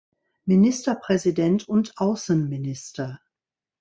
Ministerpräsident und Außenminister.